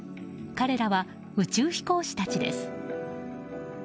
彼らは宇宙飛行士たちです。